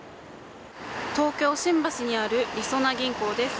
東京・新橋にあるりそな銀行です。